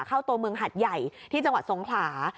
เข้าตัวเมืองหัดใหญ่ที่จังหวัดสงขลา